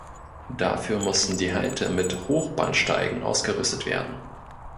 Dafür mussten die Halte mit Hochbahnsteigen ausgerüstet werden.